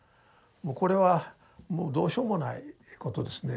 もうこれはもうどうしようもないことですね。